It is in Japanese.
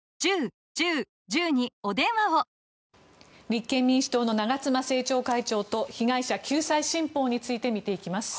立憲民主党の長妻調会長と被害者救済新法について見ていきます。